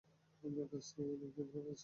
আপনার কাছে কি কোন ফোন আছে?